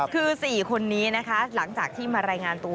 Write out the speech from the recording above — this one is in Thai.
คือ๔คนนี้นะคะหลังจากที่มารายงานตัว